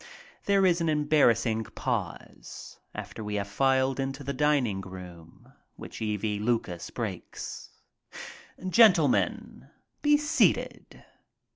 There is an embarrassing pause, after we have filed into the dining room, which E. V. Lucas breaks. '' Gentlemen, be seated.